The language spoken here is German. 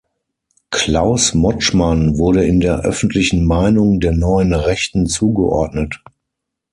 Klaus Motschmann wurde in der öffentlichen Meinung der Neuen Rechten zugeordnet.